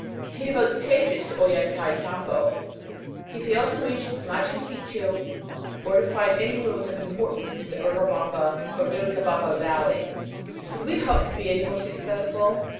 He devotes pages to Ollantaytambo. He failed to reach Machu Picchu or to find any ruins of importance in the Urubamba or Vilcabamba valleys. Could we hope to be any more successful?